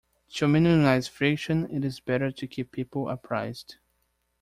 To minimize friction it is better to keep people apprised.